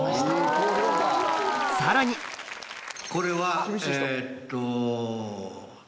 さらにこれはえっと。